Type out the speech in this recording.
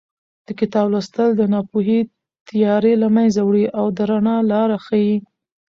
د کتاب لوستل د ناپوهۍ تیارې له منځه وړي او د رڼا لار ښیي.